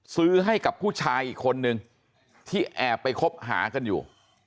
ซื้อให้กับผู้ชายอีกคนนึงที่แอบไปคบหากันอยู่